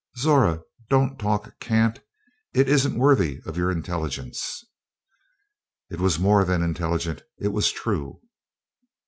"Zora, don't talk cant; it isn't worthy of your intelligence." "It was more than intelligent it was true."